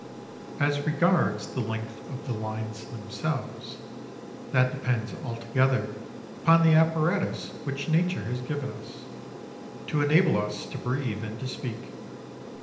As regards the length of the lines themselves, that depends altogether upon the apparatus which Nature has given us, to enable us to breathe and to speak.